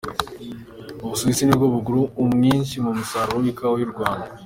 Ubusuwisi ni bwo bugura umwinshi mu musaruro w’ikawa y’u Rwanda.